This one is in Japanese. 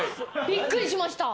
びっくりしました。